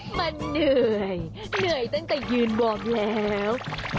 มันเหนื่อยเหนื่อยตั้งแต่ยืนวอร์มแล้ว